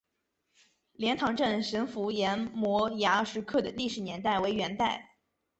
莲塘镇神符岩摩崖石刻的历史年代为元代。